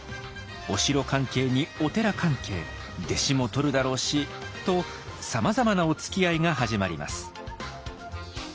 お城関係にお寺関係弟子もとるだろうしとさまざまなおつきあいが始まります。